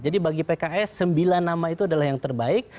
jadi bagi pks sembilan nama itu adalah yang terbaik